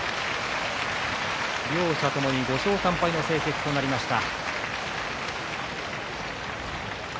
両者ともに５勝３敗の成績となりました。